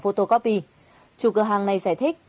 photocopy chủ cửa hàng này giải thích